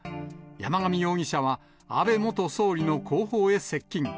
山上容疑者は、安倍元総理の後方へ接近。